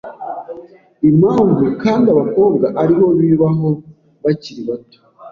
Impamvu kandi abakobwa aribo bibaho bakiri bato